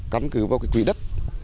cắn cứ vào cái quỷ đất